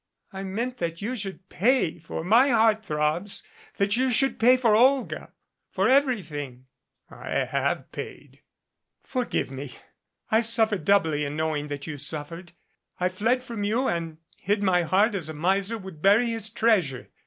I meant that you should pay for my heart throbs that you should pay for Olga for everything." 336 DUO "I have paid." "Forgive me. I suffered doubly in knowing that you suffered. I fled from you and hid my heart as a miser would bury his treasure.